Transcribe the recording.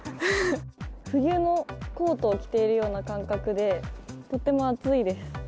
冬のコートを着ているような感覚で、とっても暑いです。